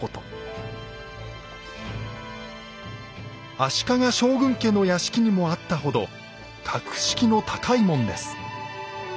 足利将軍家の屋敷にもあったほど格式の高い門です。